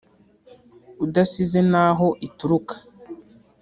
udasize n’aho ituruka